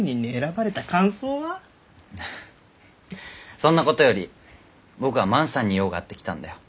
そんなことより僕は万さんに用があって来たんだよ。